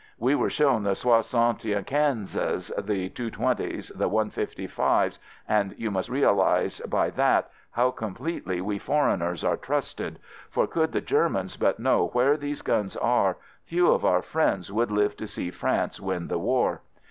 We were shown the "soixante quinzes," the "220's," the " 155's," and you must realize by that how completely we for eigners are trusted; for could the Ger mans but know where these guns are, few of our friends would live to see France win the war.